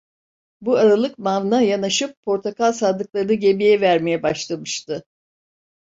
Bu aralık mavna yanaşıp portakal sandıklarını gemiye vermeye başlamıştı.